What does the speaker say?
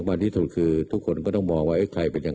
อยากฟังอยากฟัง